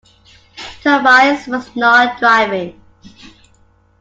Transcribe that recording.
Tobias was not driving.